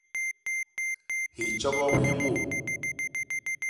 Hitjogop hi mut.